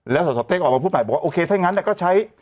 แล้วสสเต้งออกมาพูดใหม่บอกว่าโอเคถ้างั้นก็ใช้